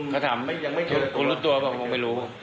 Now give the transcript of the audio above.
ถ้าทำคุณรู้ตัวหรือเปล่าผมไม่รู้